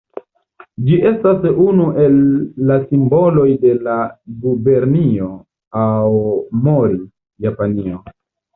Ĝi estas unu el la simboloj de la Gubernio Aomori, Japanio.